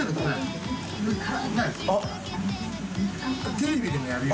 テレビでもやるよ。